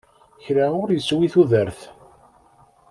Kra ur yeswi tudert.